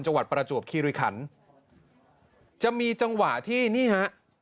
จังหวัดประจวบคีรุยคันจะมีจังหวะที่นี่ฮะ